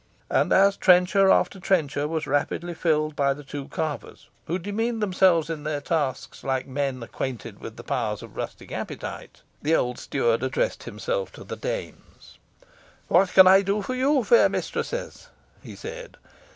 And as trencher after trencher was rapidly filled by the two carvers, who demeaned themselves in their task like men acquainted with the powers of rustic appetite, the old steward addressed himself to the dames. "What can I do for you, fair mistresses?" he said.